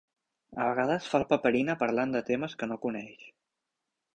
A vegades fa el paperina parlant de temes que no coneix.